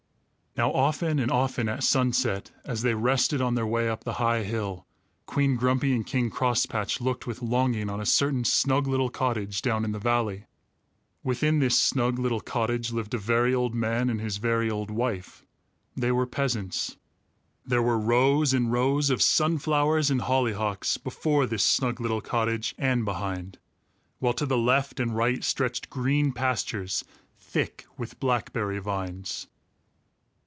Now often and often at sunset, as they rested on their way up the high hill, Queen Grumpy and King Crosspatch looked with longing on a certain snug little cottage down in the valley. Within this snug little cottage lived a very old man and his very old wife. They were peasants. There were rows and rows of sunflowers and hollyhocks before this snug little cottage and behind, while to the left and right stretched green pastures thick with blackberry vines.